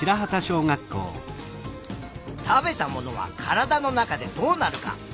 「食べたものは体の中でどうなるか」。